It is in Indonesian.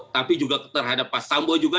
tapi juga terhadap pak sambo juga